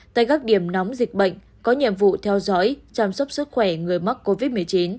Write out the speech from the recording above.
tại các điểm nóng dịch bệnh có nhiệm vụ theo dõi chăm sóc sức khỏe người mắc covid một mươi chín